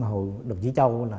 hồi đồng chí châu